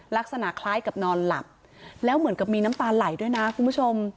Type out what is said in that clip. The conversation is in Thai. ลักษณะคล้ายกับนอนหลับแล้วเหมือนกับมีน้ำตาไหลด้วยนะคุณผู้ชม